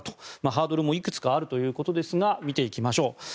ハードルもいくつかあるということですが見ていきましょう。